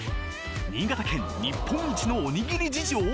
新潟県日本一のおにぎり事情！